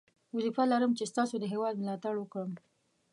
وظیفه لرم چې ستاسو د هیواد ملاتړ وکړم.